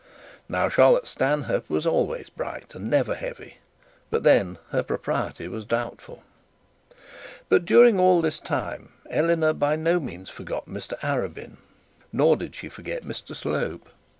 Now Charlotte Stanhope was always bright, and never heavy: but her propriety was doubtful. But during all this time Eleanor by no means forgot Mr Arabin, nor did she forget Mr Slope.